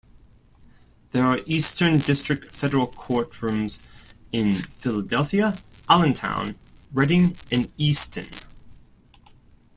There are Eastern District federal courtrooms in Philadelphia, Allentown, Reading, and Easton.